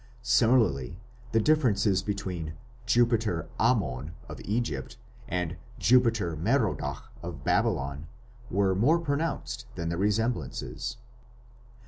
Similarly the differences between "Jupiter Amon" of Egypt and "Jupiter Merodach" of Babylon were more pronounced than the resemblances.